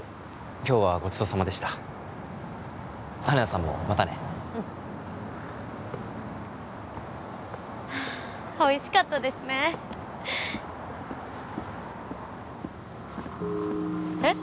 今日はごちそうさまでした羽田さんもまたねうんはあおいしかったですねえっ？